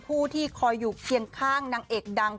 ผู้ที่คอยอยู่เคียงข้างนางเอกดัง